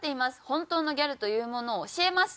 “本当のギャル”というものを教えます」